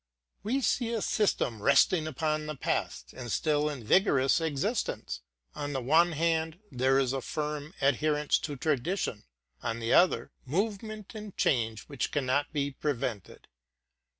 We see a system resting upon the past, and still in vigorous ex istence. On the one hand, there is a firm adherence to tradi tion; on the other, movement arid change which cannot be prevented.